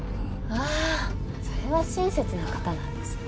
あそれは親切な方なんですね。